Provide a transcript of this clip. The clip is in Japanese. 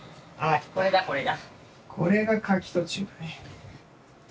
これだこれだ。